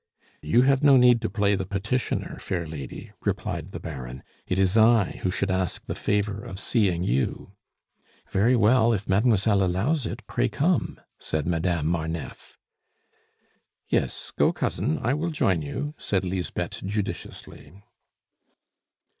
"You have no need to play the petitioner, fair lady," replied the Baron. "It is I who should ask the favor of seeing you." "Very well, if mademoiselle allows it, pray come!" said Madame Marneffe. "Yes go, Cousin, I will join you," said Lisbeth judiciously.